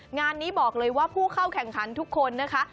งานนี้บอกเลยว่าผู้เข้าแข่งขันทุกคนนะคะ